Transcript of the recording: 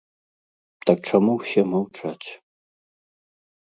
Так чаму ўсе маўчаць?